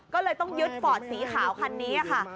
ก็เลยต้องยึดฟอร์ดสีขาวคันนี้ค่ะ